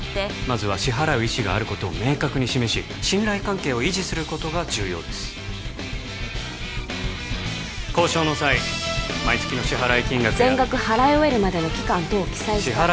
まずは支払う意思があることを明確に示し信頼関係を維持することが重要です交渉の際毎月の支払金額や全額払い終えるまでの期間等を記載した